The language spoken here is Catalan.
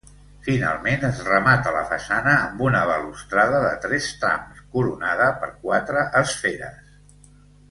Finalment es remata la façana amb una balustrada de tres trams, coronada per quatre esferes.